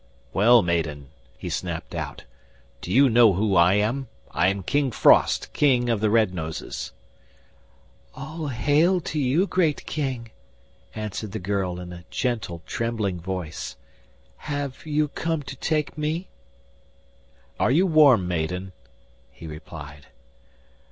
'Well, maiden,' he snapped out, 'do you know who I am? I am King Frost, king of the red noses.' 'All hail to you, great King!' answered the girl, in a gentle, trembling voice. 'Have you come to take me?' 'Are you warm, maiden?' he replied.